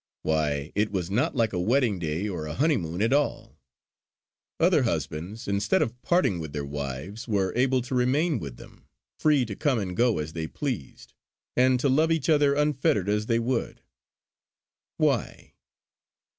Why, it was not like a wedding day or a honeymoon at all. Other husbands instead of parting with their wives were able to remain with them, free to come and go as they pleased, and to love each other unfettered as they would. Why....